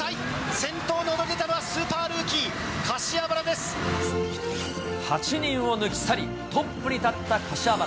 先頭に躍り出たのはスーパールー８人を抜き去り、トップに立った柏原。